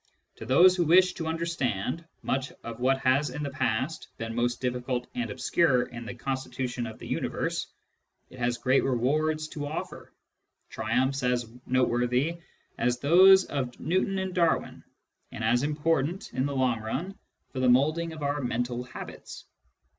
To those who wish to understand much of what has in the past been Digitized by Google 30 SCIENTIFIC METHOD IN PHILOSOPHY most difficult and obscure in the constitution of the universe, it has great rewards to offer — triumphs as tiote worthy as those of Newton and Darwin, and as important in the long run, for the moulding of our mental habits.